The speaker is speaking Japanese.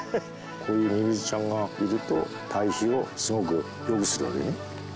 こういうミミズちゃんがいると堆肥をすごく良くするわけね。